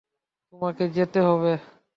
তোমাকে যেতে হবে।